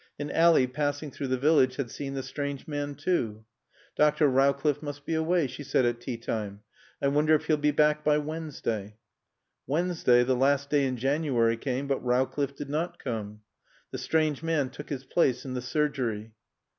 And Ally, passing through the village, had seen the strange man too. "Dr. Rowcliffe must be away," she said at tea time. "I wonder if he'll be back by Wednesday." Wednesday, the last day in January, came, but Rowcliffe did not come. The strange man took his place in the surgery.